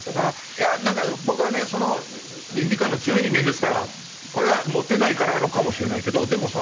いや何か僕はねその倫理観の強い人間ですからこれはモテないからなのかもしれないけどでもさ